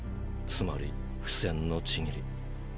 つまり「不戦の契り」。